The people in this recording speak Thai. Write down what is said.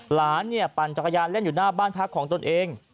หลานปั่นจักรยานเล่นอยู่หน้าบ้านพักของตนเอง